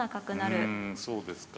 うんそうですか。